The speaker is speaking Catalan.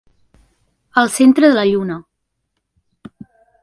El centre de la lluna.